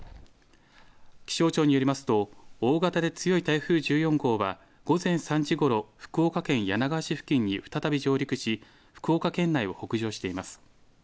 気象庁によりますと、大型で強い台風１４号は、午前３時ごろ、福岡県柳川市付近に再び上陸し、福岡県内を北上しています。